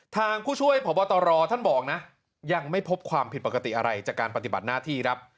ผู้ช่วยพบตรท่านบอกนะยังไม่พบความผิดปกติอะไรจากการปฏิบัติหน้าที่ครับ